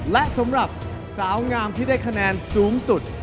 และสำหรับสาวงามที่ได้คะแนนสูงสุด